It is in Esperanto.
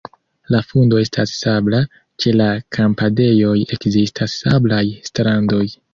La fundo estas sabla, ĉe la kampadejoj ekzistas sablaj strandoj.